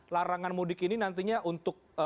larangan mudik ini nantinya untuk